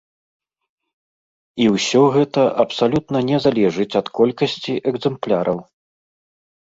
І ўсё гэта абсалютна не залежыць ад колькасці экзэмпляраў.